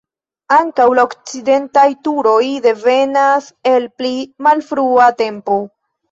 Ankaŭ la okcidentaj turoj devenas el pli malfrua tempo.